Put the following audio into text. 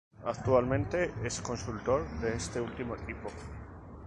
Actualmente es consultor de este último equipo.